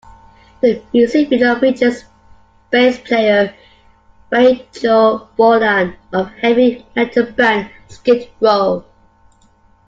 The music video features bass player Rachel Bolan of Heavy Metal band Skid Row.